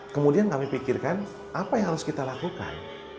kemudian kami pikirkan apa yang harus kita lakukan